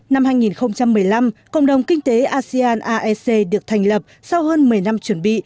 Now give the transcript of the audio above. năm hai nghìn một mươi năm cộng đồng kinh tế asean aec được thành lập sau hơn một mươi năm chuẩn bị